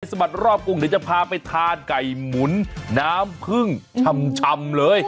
สะบัดรอบกรุงเดี๋ยวจะพาไปทานไก่หมุนน้ำพึ่งชำเลย